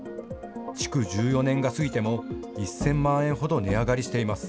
築１４年が過ぎても１０００万円ほど値上がりしています。